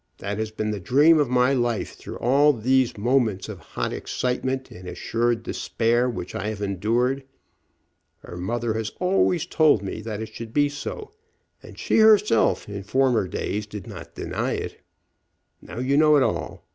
That has been the dream of my life through all those moments of hot excitement and assured despair which I have endured. Her mother has always told me that it should be so, and she herself in former days did not deny it. Now you know it all.